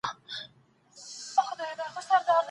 موږ د اوږده اتڼ لپاره ډوډۍ راوړه.